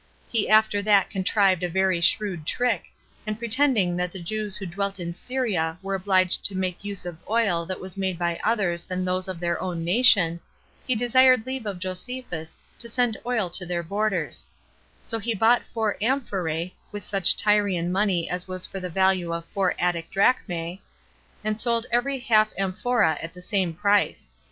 He after that contrived a very shrewd trick, and pretending that the Jews who dwelt in Syria were obliged to make use of oil that was made by others than those of their own nation, he desired leave of Josephus to send oil to their borders; so he bought four amphorae with such Tyrian money as was of the value of four Attic drachmae, and sold every half amphora at the same price.